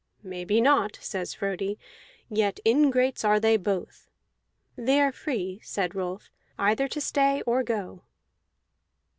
"Maybe not," says Frodi, "yet ingrates are they both." "They are free," said Rolf, "either to stay or go."